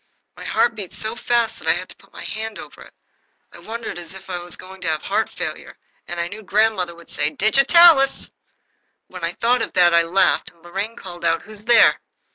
My heart beat so fast that I had to put my hand over it. I wondered if I were going to have heart failure, and I knew grandmother would say, "Digitalis!" When I thought of that I laughed, and Lorraine called out, "Who's there?"